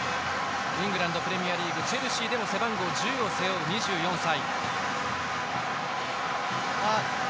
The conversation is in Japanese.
イングランド・プレミアリーグチェルシーでも背番号１０を背負う２４歳。